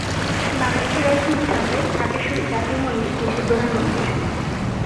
বাংলাদেশের রাজধানী ঢাকার ঢাকেশ্বরী জাতীয় মন্দির দেশের প্রধান মন্দির।